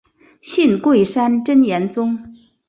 信贵山真言宗。